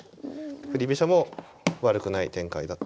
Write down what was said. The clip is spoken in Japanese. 振り飛車も悪くない展開だったと思います。